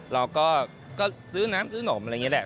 เราก็ซื้อน้ำซื้อนมอะไรอย่างนี้แหละ